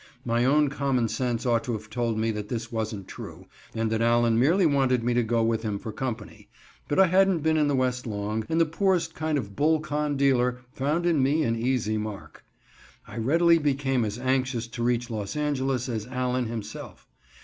My own common sense ought to have told me that this wasn't true, and that Allen merely wanted me to go with him for company, but I hadn't been in the West long, and the poorest kind of bull con dealer found in me an easy mark. I readily became as anxious to reach Los Angeles as Allen himself.